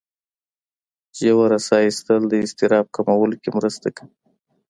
ژوره ساه ایستل د اضطراب کمولو کې مرسته کوي.